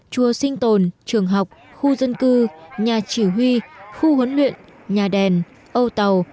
chùa sinh tồn trường học khu dân cư nhà chỉ huy khu huấn luyện nhà đèn ô tàu